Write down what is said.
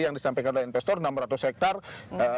yang disampaikan oleh investor enam ratus hektare